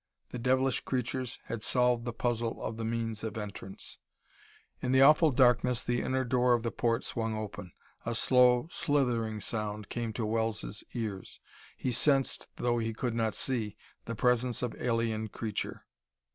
The devilish creatures had solved the puzzle of the means of entrance! In the awful darkness the inner door of the port swung open. A slow, slithering sound came to Wells' ears. He sensed, though he could not see, the presence of alien creature.